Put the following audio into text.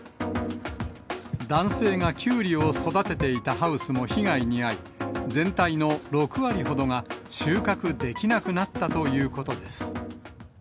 男性がキュウリを育てていたハウスも被害に遭い、全体の６割ほどが収穫できなくなったということです。